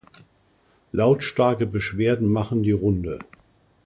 Lautstarke Beschwerden machen die Runde.